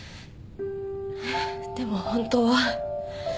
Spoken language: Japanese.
でも本当は。